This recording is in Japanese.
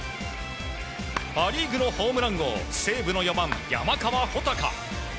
パ・リーグのホームラン王西武の４番、山川穂高。